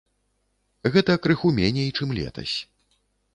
Гэта крыху меней, чым летась.